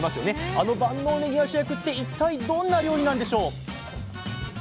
あの万能ねぎが主役って一体どんな料理なんでしょう？